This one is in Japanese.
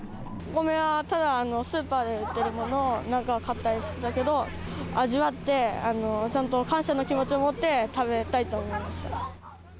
お米はただスーパーで売ってるものをなんか買ったりしてたけど、味わって、ちゃんと感謝の気持ちを持って、食べたいと思いました。